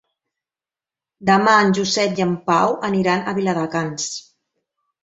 Demà en Josep i en Pau aniran a Viladecans.